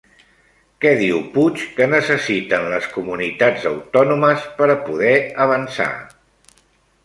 Què diu Puig que necessiten les comunitats autònomes per poder avançar?